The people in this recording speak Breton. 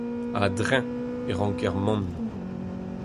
A-dreñv e ranker mont.